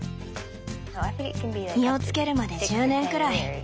実をつけるまで１０年くらい。